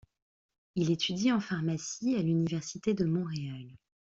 Il étudie en pharmacie à l'Université de Montréal.